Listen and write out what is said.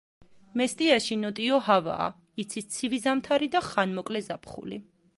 მესტიაში ნოტიო ჰავაა, იცის ცივი ზამთარი და ხანმოკლე ზაფხული.